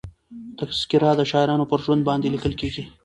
تذکره د شاعرانو پر ژوند باندي لیکل کېږي.